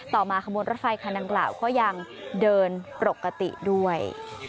มาขบวนรถไฟคันดังกล่าวก็ยังเดินปกติด้วย